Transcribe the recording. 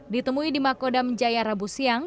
ditemui di makodam jaya rabu siang